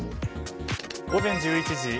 午前１１時。